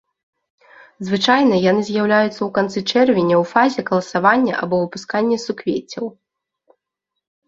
Звычайна яны з'яўляюцца ў канцы чэрвеня ў фазе каласавання або выпускання суквеццяў.